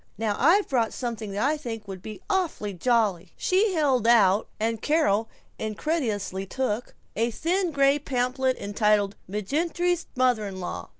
Now I've brought something that I think would be awfully jolly." She held out, and Carol incredulously took, a thin gray pamphlet entitled "McGinerty's Mother in law."